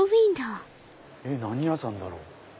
何屋さんだろう？